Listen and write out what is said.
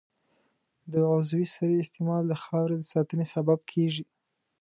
د عضوي سرې استعمال د خاورې د ساتنې سبب کېږي.